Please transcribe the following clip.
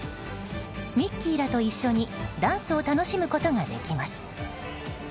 ミッキーらと一緒にダンスを楽しむことができます。